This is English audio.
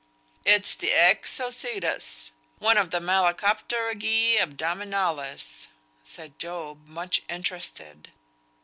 "It's the Exocetus; one of the Malacopterygii Abdominales," said Job, much interested.